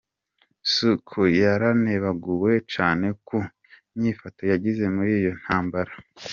Suu Kyi yaranebaguwe cane ku nyifato yagize muri iyo ntambara.